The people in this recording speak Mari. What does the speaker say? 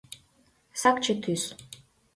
Сакче тӱс